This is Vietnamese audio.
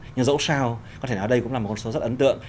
nhưng dẫu sao có thể nói đây cũng là một con số rất ấn tượng